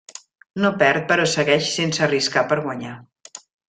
No perd però segueix sense arriscar per guanyar.